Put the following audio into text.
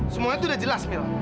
semuanya tuh udah jelas mil